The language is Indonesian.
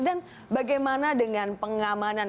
dan bagaimana dengan pengamanan